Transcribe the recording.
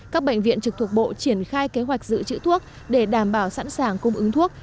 các bệnh viện trực thuộc bộ triển khai kế hoạch giữ chữ thuốc để đảm bảo sẵn sàng cung ứng thuốc